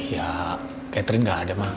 ya catherine gak ada ma